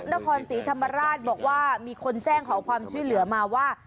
นครศรีธรรมราชบอกว่ามีคนแจ้งขอความช่วยเหลือมาว่า